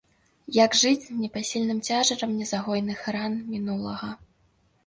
Як жыць з непасільным цяжарам незагойных ран мінулага?